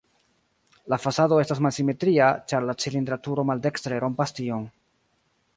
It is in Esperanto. La fasado estas malsimetria, ĉar la cilindra turo maldekstre rompas tion.